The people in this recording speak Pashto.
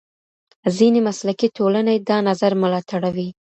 ځینې مسلکي ټولنې دا نظر ملاتړوي.